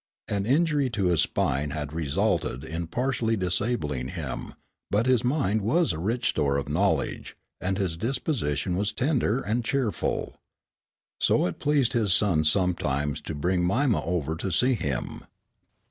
An injury to his spine had resulted in partially disabling him, but his mind was a rich store of knowledge, and his disposition was tender and cheerful. So it pleased his son sometimes to bring Mima over to see him.